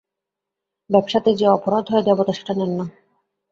ব্যাবসাতে যে অপরাধ হয় দেবতা সেটা নেন না।